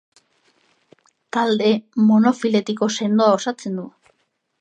Talde monofiletiko sendoa osatzen du.